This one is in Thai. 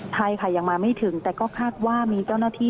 ไทยค่ะยังมาไม่ถึงแต่ก็คาดว่ามีเจ้าหน้าที่